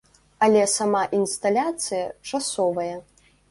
Але сама інсталяцыя часовая.